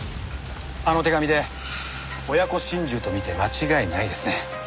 あの手紙で親子心中と見て間違いないですね。